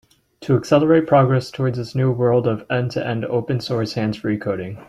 To accelerate progress towards this new world of end-to-end open source hands-free coding.